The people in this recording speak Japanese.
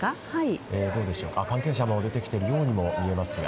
関係者も出てきているように見えますが。